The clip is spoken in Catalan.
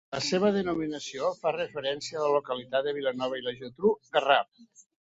La seva denominació fa referència a la localitat de Vilanova i la Geltrú, Garraf.